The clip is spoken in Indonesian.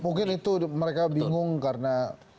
mungkin itu mereka bingung karena